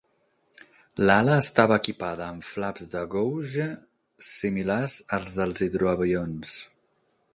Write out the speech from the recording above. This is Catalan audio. L'ala estava equipada amb flaps de Gouge similars als dels hidroavions.